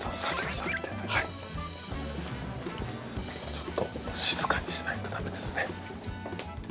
ちょっと静かにしないと駄目ですね。